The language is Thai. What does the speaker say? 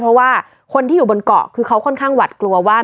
เพราะว่าคนที่อยู่บนเกาะคือเขาค่อนข้างหวัดกลัวว่า